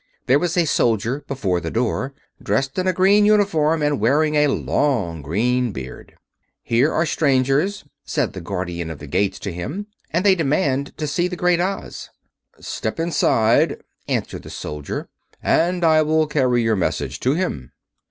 There was a soldier before the door, dressed in a green uniform and wearing a long green beard. "Here are strangers," said the Guardian of the Gates to him, "and they demand to see the Great Oz." "Step inside," answered the soldier, "and I will carry your message to him."